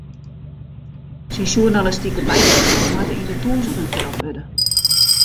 Syn sjoernalistike bydragen moat yn de tûzenen teld wurde.